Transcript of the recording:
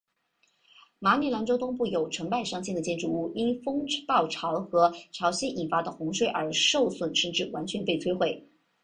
马里兰州东部有成百上千的建筑物因风暴潮和潮汐引发的洪水而受损甚至完全被摧毁。